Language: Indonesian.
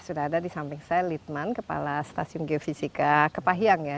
sudah ada di samping saya litman kepala stasiun geofisika kepahyang ya